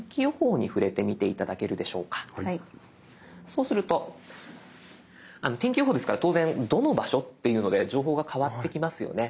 そうすると天気予報ですから当然どの場所っていうので情報が変わってきますよね。